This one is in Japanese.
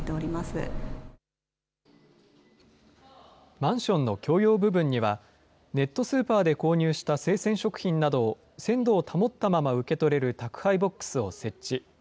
マンションの共用部分には、ネットスーパーで購入した生鮮食品などを鮮度を保ったまま受け取れる宅配ボックスを設置。